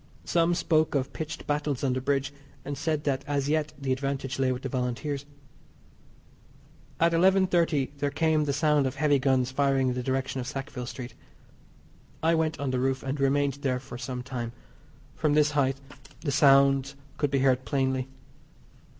Some spoke of pitched battles on the bridge, and said that as yet the advantage lay with the Volunteers. At 11.30 there came the sound of heavy guns firing in the direction of Sackville Street. I went on the roof, and remained there for some time. From this height the sounds could be heard plainly.